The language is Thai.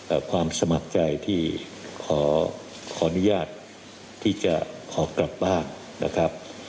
ความสมัครใจที่ขอขออนุญาตที่จะขอกลับบ้านนะครับ